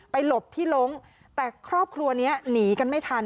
หลบที่ลงแต่ครอบครัวนี้หนีกันไม่ทัน